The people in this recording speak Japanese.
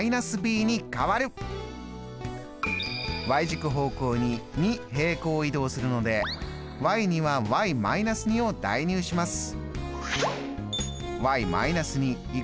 軸方向に２平行移動するのでには−２を代入します。